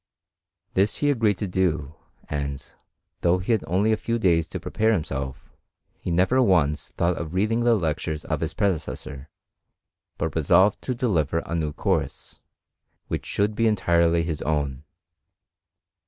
This he agreed to do, and, though he had only a few days to prepare himself, he never once thought of reading the lectures of his predecessor, but resolved to deliver a new course, which should be en tirely his own.